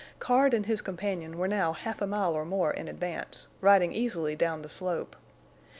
Card and his companion were now half a mile or more in advance, riding easily down the slope.